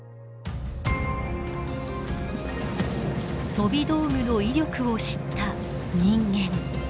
飛び道具の威力を知った人間。